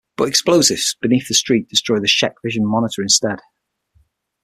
But explosives beneath the street destroy the ScheckVision monitor instead.